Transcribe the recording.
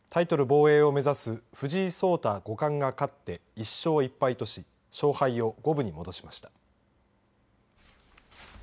防衛を目指す藤井聡太五冠が勝って１勝１敗とし勝敗を五分に戻しました。